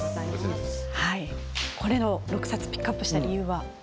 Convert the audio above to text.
６冊ピックアップした理由は？